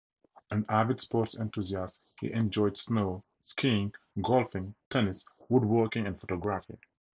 An avid sports enthusiast, he enjoyed snow skiing, golfing, tennis, woodworking and photography.